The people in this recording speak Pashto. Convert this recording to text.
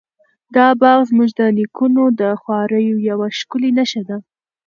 دا باغ زموږ د نیکونو د خواریو یوه ښکلې نښه ده.